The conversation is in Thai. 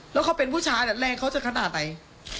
แล้วเขาเป็นผู้ชายแรงเขาจะขนาดไหน